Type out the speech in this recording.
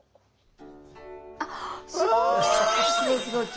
あすごい！